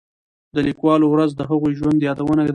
د لیکوالو ورځ د هغوی د ژوند یادونه ده.